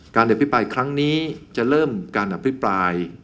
อภิปรายครั้งนี้จะเริ่มการอภิปราย